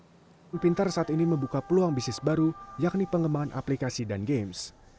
pt pintar saat ini membuka peluang bisnis baru yakni pengembangan aplikasi dan games